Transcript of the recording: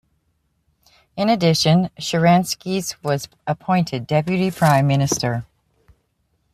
In addition, Sharansky was appointed Deputy Prime Minister.